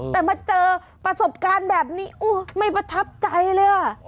แต่มาเจอประสบการณ์แบบนี้ไม่ประทับใจเลยอ่ะ